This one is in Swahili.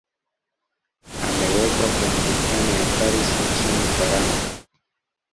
amewekwa kwenye bustani ya paris nchini ufaransa